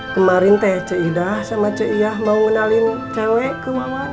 kemarin teh ceidah sama ceiyah mau ngenalin cewek kemauan